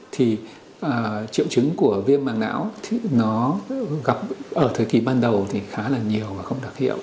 thì triệu chứng của viêm mảng não thì nó gặp ở thời kỳ ban đầu thì khá là nhiều và không đặc hiệu